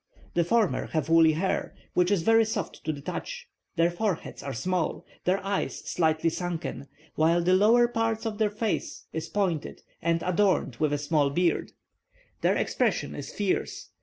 The former have woolly hair, which is very soft to the touch, their foreheads are small, their eyes slightly sunken, whilst the lower part of their face is pointed, and adorned with a small beard; their expression is fierce.